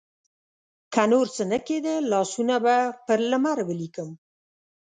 که نورڅه نه کیده، لاسونه به پر لمر ولیکم